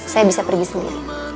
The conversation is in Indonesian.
saya bisa pergi sendiri